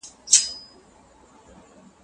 ایا ستا مقاله تر اوسه په کوم ځای کي لوستل سوي ده؟